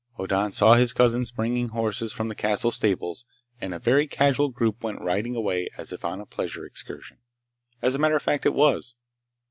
Hoddan saw his cousins bringing horses from the castle stables, and a very casual group went riding away as if on a pleasure excursion. As a matter of fact, it was.